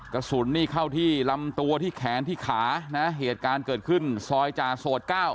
กระสุนนี่เข้าที่ลำตัวที่แขนที่ขานะเหตุการณ์เกิดขึ้นซอยจาโสด๙